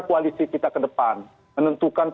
koalisi kita ke depan menentukan